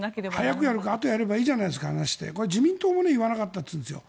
早くやるかあとにやればいいじゃないですか自民党も言わなかったというんですよ。